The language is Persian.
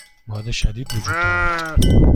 باد شدید وجود دارد.